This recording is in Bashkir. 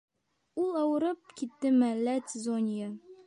Ул ауырып киттеме әллә, Цезония?